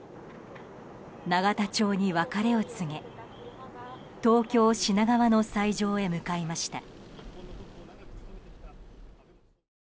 永田町に別れを告げ東京・品川の斎場に向かいました。